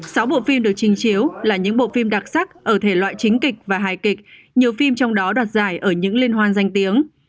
sáu bộ phim được trình chiếu là những bộ phim đặc sắc ở thể loại chính kịch và hài kịch nhiều phim trong đó đoạt giải ở những liên hoan danh tiếng